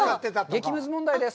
激ムズ問題です。